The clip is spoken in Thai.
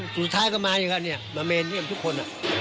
สุดท้ายก็มาเม้นเยี่ยมทุกคน